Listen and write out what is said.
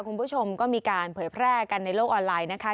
คุณผู้ชมก็มีการเผยแพร่กันในโลกออนไลน์นะคะ